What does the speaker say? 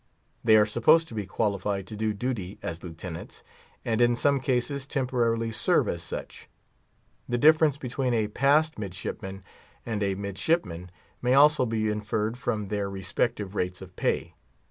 They are supposed to be qualified to do duty as lieutenants, and in some cases temporarily serve as such. The difference between a passed midshipman and a midshipman may be also inferred from their respective rates of pay.